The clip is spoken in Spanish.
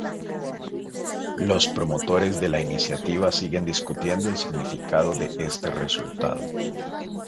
Los promotores de la iniciativa siguen discutiendo el significado de este resultado.